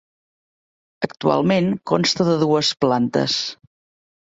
Actualment consta de dues plantes.